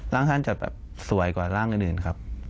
ร่างท่านจะแบบสวยกว่าร่างอื่นครับ